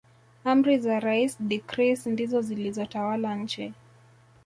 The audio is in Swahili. Amri za rais decrees ndizo zilizotawala nchi